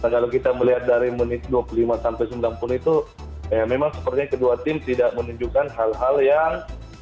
kalau kita melihat dari menit dua puluh lima sampai sembilan puluh itu memang sepertinya kedua tim tidak menunjukkan hal hal yang